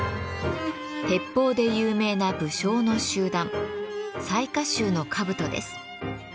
鉄砲で有名な武将の集団雑賀衆の兜です。